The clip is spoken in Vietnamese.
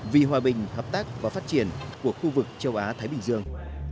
vì hòa bình hợp tác và phát triển của khu vực châu á thái bình dương